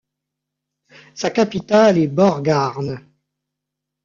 Sa capitale est Borgarnes.